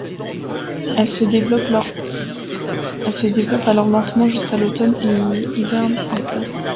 Elle se développe alors lentement jusqu'à l'automne et hiverne en place.